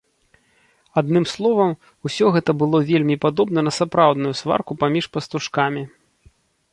Адным словам, усё гэта было вельмі падобна на сапраўдную сварку паміж пастушкамі.